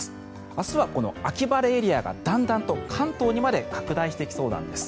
明日はこの秋晴れエリアがだんだんと関東にまで拡大してきそうなんです。